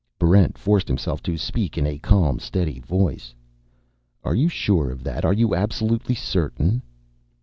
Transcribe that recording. Barrent forced himself to speak in a calm, steady voice. "Are you sure of that? Are you absolutely certain?"